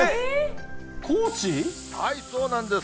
はい、そうなんです。